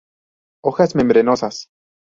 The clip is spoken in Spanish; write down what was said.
Hojas membranosas.